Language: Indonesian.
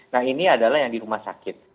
nah ini adalah yang di rumah sakit